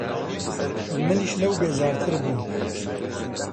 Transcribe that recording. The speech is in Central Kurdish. منیش لەو بێزارتر بووم.